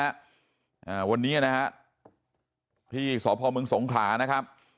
อ่าวันนี้นะฮะที่สพมสงขลานะครับ